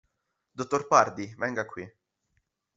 Dottor Pardi, venga qui.